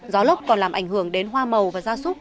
gió lốc còn làm ảnh hưởng đến hoa màu và gia súc